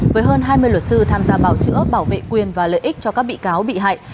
với hơn hai mươi luật sư tham gia bảo chữa bảo vệ quyền và lợi ích cho các bị cáo bị hại